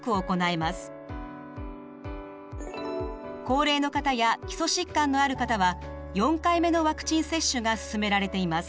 高齢の方や基礎疾患のある方は４回目のワクチン接種がすすめられています。